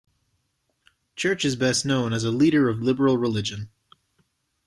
Church is best known as a leader of liberal religion.